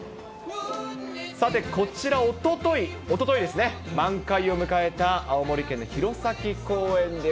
さて、こちら、おととい、おとといですね、満開を迎えた、青森県の弘前公園です。